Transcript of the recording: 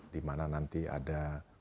dimana nanti ada